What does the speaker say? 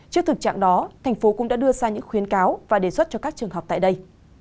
trước thực trạng đó thành phố cũng đã đưa ra những khuyến cáo và đề xuất cho các trường học tại đây